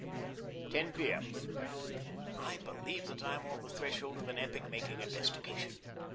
10 P. M. I believe that I am on the threshold of an epoch making investigation.